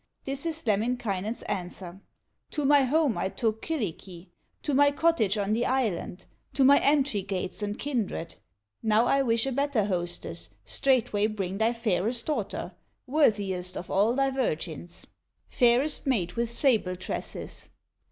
This is Lemminkainen's answer: "To my home I took Kyllikki, To my cottage on the island, To my entry gates and kindred; Now I wish a better hostess, Straightway bring thy fairest daughter, Worthiest of all thy virgins, Fairest maid with sable tresses."